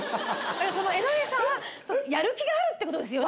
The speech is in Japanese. その江上さんはやる気があるってことですよね？